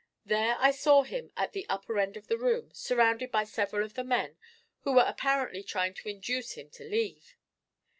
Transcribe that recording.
There I saw him at the upper end of the room surrounded by several of the men, who were apparently trying to induce him to leave.